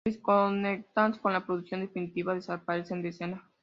Descontentas con la producción definitiva, desaparecen de escena.